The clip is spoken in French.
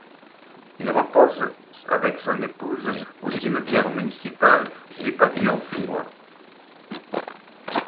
Il repose avec son épouse au cimetière municipal des Pavillons-sous-Bois.